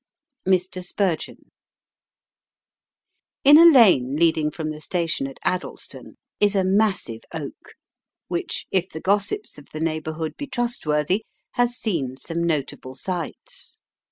MR. SPURGEON. In a lane leading from the station at Addlestone is a massive oak, which, if the gossips of the neighbourhood be trustworthy, has seen some notable sights.